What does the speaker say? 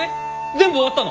全部終わったの？